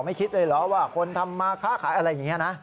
คิดเลยเหรอว่าคนทำมาค้าขายอะไรอย่างนี้นะ